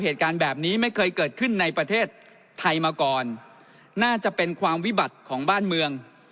เหตุการณ์แบบนี้ไม่เคยเกิดขึ้นในประเทศไทยมาก่อนน่าจะเป็นความวิบัติของบ้านเมือง